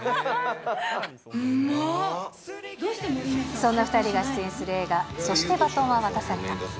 そんな２人が出演する映画、そして、バトンは渡された。